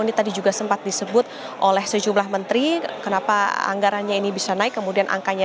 ini tadi juga sempat disebut oleh sejumlah menteri kenapa anggarannya ini bisa naik kemudian angkanya